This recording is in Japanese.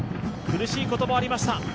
苦しいこともありました